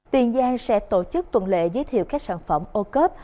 tiền giang sẽ tổ chức tuần lệ giới thiệu các sản phẩm ô cớp